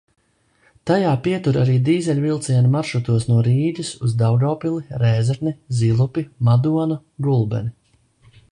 Tajā pietur arī dīzeļvilcieni maršrutos no Rīgas uz Daugavpili, Rēzekni, Zilupi, Madonu, Gulbeni.